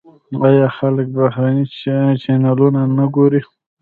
آیا خلک بهرني چینلونه نه ګوري؟